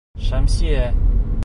Шәмсиә